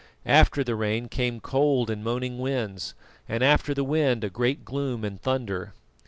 After the rain came cold and moaning winds, and after the wind a great gloom and thunder.